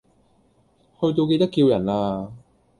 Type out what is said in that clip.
去到記得叫人呀